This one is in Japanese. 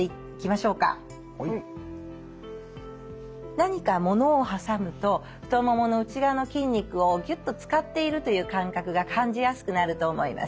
何かものを挟むと太ももの内側の筋肉をギュッと使っているという感覚が感じやすくなると思います。